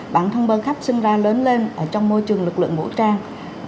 bản thân bơ khách sinh ra lớn lên trong môi trường lực lượng vũ trang